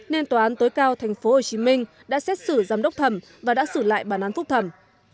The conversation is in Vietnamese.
nên tòa án tối cao tp hcm đã xét xử giám đốc thẩm và đã xử lại bản án phúc thẩm